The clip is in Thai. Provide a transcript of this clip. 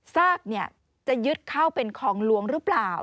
ซากจะยึดเข้าเป็นของหลวงหรือเปล่า